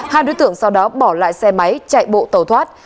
hai đối tượng sau đó bỏ lại xe máy chạy bộ tàu thoát